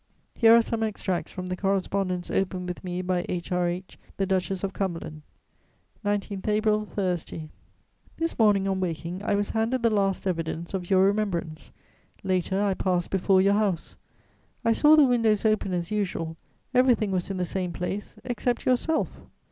Here are some extracts from the correspondence opened with me by H.R.H. the Duchess of Cumberland: "19 April, Thursday. "This morning, on waking, I was handed the last evidence of your remembrance; later, I passed before your house. I saw the windows open as usual, everything was in the same place, except yourself!